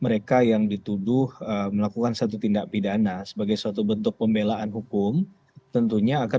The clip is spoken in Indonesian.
mereka yang dituduh melakukan satu tindak pidana sebagai suatu bentuk pembelaan hukum tentunya akan